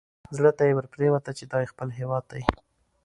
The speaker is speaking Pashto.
زړه ته یې ورپرېوته چې دا یې خپل هیواد دی.